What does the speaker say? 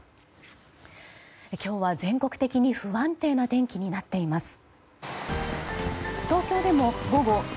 今日は全国的に不安定な天気になっています。